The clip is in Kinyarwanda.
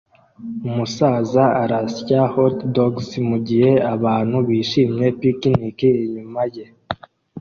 Umusaza arasya hotdogs mugihe abantu bishimira picnic inyuma ye